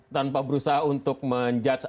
tanpa berusaha untuk menjudge